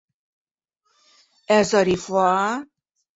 Ә Зарифа?!